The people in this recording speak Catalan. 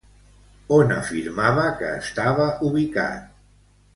On afirmava que estava ubicat?